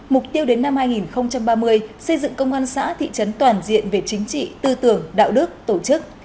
mục tiêu đến năm hai nghìn ba mươi xây dựng công an xã thị trấn toàn diện về chính trị tư tưởng đạo đức tổ chức